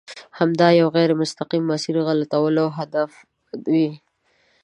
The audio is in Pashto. د همداسې یوه غیر مستقیم مسیر غلطول هدف وي.